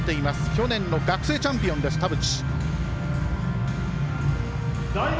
去年の学生チャンピオンです田渕。